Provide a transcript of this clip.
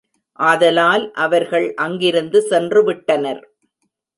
ஆதலால் அவர்கள் அங்கிருந்து சென்றுவிட்டனர்.